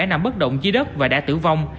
nằm bất động dưới đất và đã tử vong